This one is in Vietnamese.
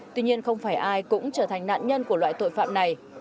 tuy nhiên không phải ai cũng trở thành nạn nhân của loại tội phạm này